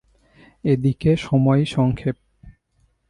এ দিকে সময়সংক্ষেপ।